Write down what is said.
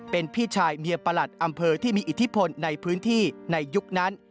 เป็นพี่ชายเมียประหลัดอำเภอที่มีอิทธิพลในพื้นที่ในยุคนั้น